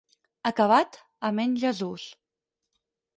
Acabat, amén Jesús.